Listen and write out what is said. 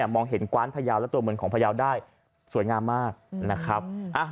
มองเห็นกว้านพยาวและตัวเมืองของพยาวได้สวยงามมากนะครับ